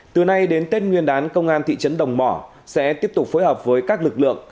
từ nay đến tết nguyên đán công an thị trấn đồng mỏ sẽ tiếp tục phối hợp với các lực lượng